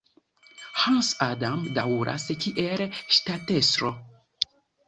Hans Adam daŭras kiel ŝtatestro.